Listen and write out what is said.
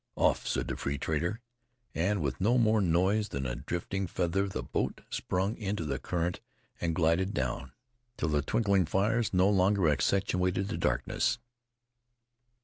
"Off!" said the free trader; and with no more noise than a drifting feather the boat swung into the current and glided down till the twinkling fires no longer accentuated the darkness.